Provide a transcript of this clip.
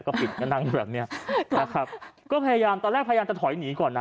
ก็ปิดก็นั่งแบบเนี้ยนะครับก็พยายามตอนแรกพยายามจะถอยหนีก่อนนะ